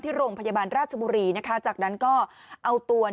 โรงพยาบาลราชบุรีจากนั้นก็เอาตัว